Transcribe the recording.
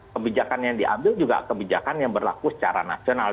kebijakan yang diambil juga kebijakan yang berlaku secara nasional